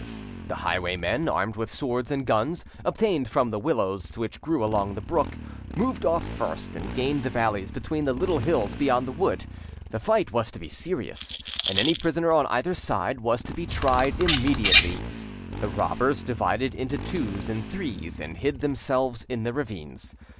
The highwaymen, armed with swords and guns obtained from the willows which grew along the brook, moved off first, and gained the valleys between the little hills beyond the wood. The fight was to be serious, and any prisoner on either side was to be tried immediately. The robbers divided into twos and threes, and hid themselves in the ravines.